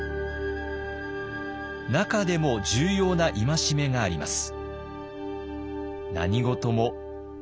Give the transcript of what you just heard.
中でも重要な戒めがあります。